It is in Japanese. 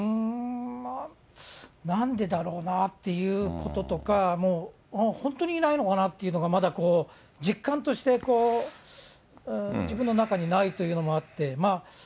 なんでだろうなっていうこととか、本当にいないのかなっていうのが、まだこう、実感として自分の中にないというのもあって。